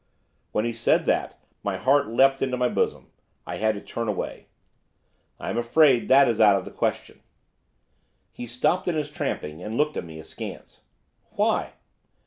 When he said that, my heart leaped in my bosom. I had to turn away. 'I am afraid that is out of the question.' He stopped in his tramping, and looked at me askance. 'Why?